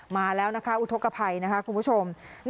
มาแล้วนะคะอุทธกภัยนะคะคุณผู้ชม